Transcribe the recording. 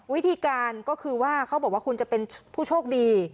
วิธีการก็คือว่าเขาบอกว่าคุณจะเป็นผู้โชคดี